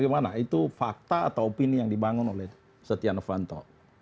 bagaimana itu fakta atau opini yang dibangun oleh setia novanto